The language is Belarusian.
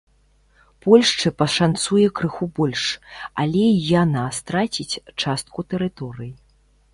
Польшчы пашанцуе крыху больш, але і яна страціць частку тэрыторый.